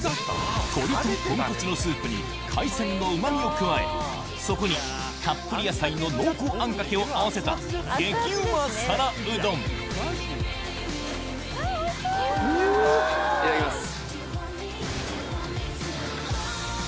鶏と豚骨のスープに海鮮のうま味を加えそこにたっぷり野菜の濃厚あんかけを合わせた激うま皿うどんいただきます。